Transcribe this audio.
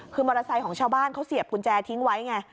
คือมอเตอร์ไซค์ของชาวบ้านเขาเสียบกุญแจทิ้งไว้ไง